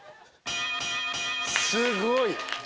すごい！